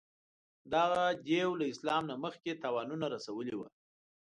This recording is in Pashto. دغه دېو له اسلام څخه مخکې تاوانونه رسولي وه.